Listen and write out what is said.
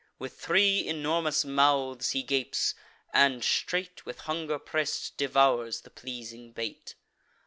With three enormous mouths he gapes; and straight, With hunger press'd, devours the pleasing bait.